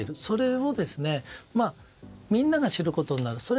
それをみんなが知ることになる。